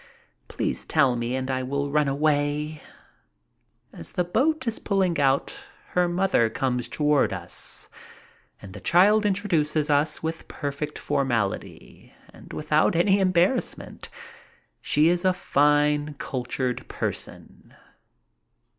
Please tell me and I will run away." BON VOYAGE 147 As the boat is pulling out her mother comes toward us and the child introduces us with perfect formality and with out any embarrassment. She is a fine, cultured person.